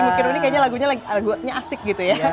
mungkin ini kayaknya lagunya lagunya asik gitu ya